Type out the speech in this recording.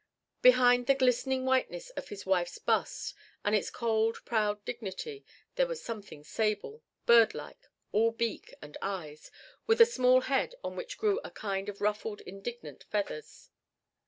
Behind the glistening whiteness of his wife's bust with its cold proud dignity, there was something sable birdlike all beak and eyes with a small head on which grew a kind of ruffled indignant feathers.